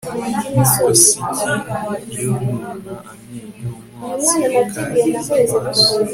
nk'uko siki yonona amenyo, umwotsi ukangiza amaso